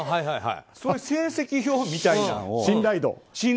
そういう成績表みたいな、信頼度。